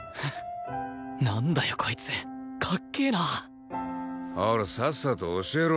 なんだよこいつかっけえなほらさっさと教えろ。